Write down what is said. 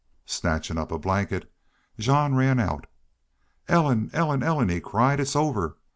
Snatching up a blanket, Jean ran out. "Ellen! Ellen! Ellen!" he cried. "It's over!"